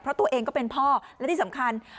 เพราะตัวเองก็เป็นพ่อและที่สำคัญ